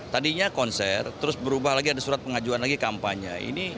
tadinya konser terus berubah lagi ada surat pengajuan lagi kampanye